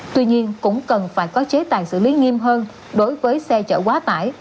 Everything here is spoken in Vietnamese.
tuy nhiên cũng cần phải có chế tài xử lý nghiêm hơn đối với xe chở quá tải